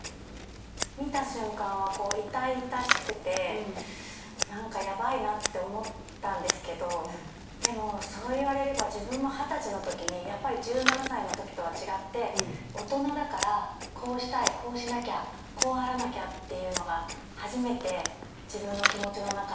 見た瞬間はこう痛々しくて何かやばいなって思ったんですけどでもそう言われれば自分も二十歳の時にやっぱり１７歳の時とは違って「大人だからこうしたいこうしなきゃこうあらなきゃ」っていうのが初めて自分の気持ちの中に生まれて。